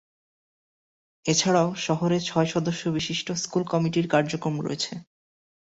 এছাড়াও শহরে ছয়-সদস্যবিশিষ্ট স্কুল কমিটির কার্যক্রম রয়েছে।